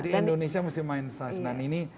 di indonesia mesti main